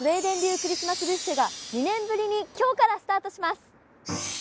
クリスマスビュッフェが２年ぶりに今日からスタートします。